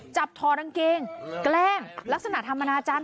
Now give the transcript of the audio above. จับทอดังเกงแกล้งลักษณะธรรมนาอาจารย์